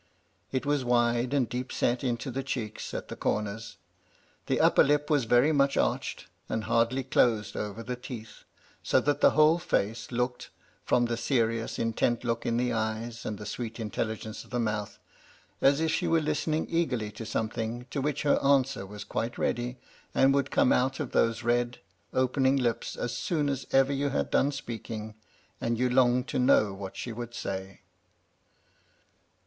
It was wide and deep set into the cheeks at the comers; the upper lip was very much arched, and hardly closed over the teeth ; so that the whole face 136 MY LADY LUDLOW, looked (from the serious, intent look in the eyes, and the sweet intelligence of the month) as if she were listening eagerly to something to which her answer was quite ready, and would come out of those red, opening lips as soon as ever you had done speaking, and you longed to know what she would say.